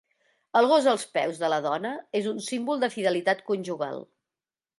El gos als peus de la dona és un símbol de fidelitat conjugal.